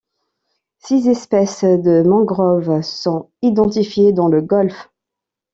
Six espèces de mangroves sont identifiées dans le golfe.